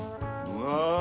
うわ！